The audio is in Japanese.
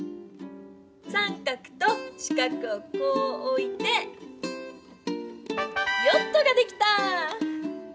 三角と四角をこうおいて「ヨット」ができた！